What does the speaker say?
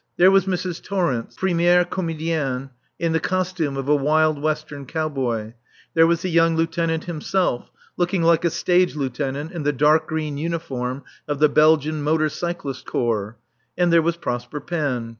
There was Mrs. Torrence, première comédienne, in the costume of a wild western cowboy; there was the young Lieutenant himself, looking like a stage lieutenant in the dark green uniform of the Belgian Motor Cyclist Corps; and there was Prosper Panne.